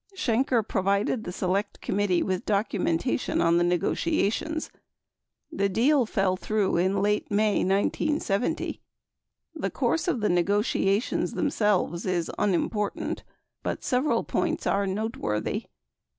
Shenker provided the Select Committee with documentation on the negotiations. The deal fell through in late May 1970. The course of the negotiations themselves is unimportant, but sev eral points are noteworthy.